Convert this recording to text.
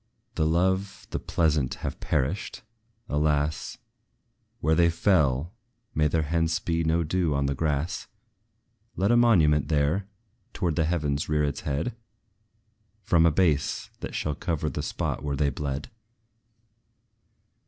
The lovely, the pleasant have perished! Alas! Where they fell may there hence be no dew on the grass! Let a monument there, towards the heavens rear its head, From a base, that shall cover the spot where they bled!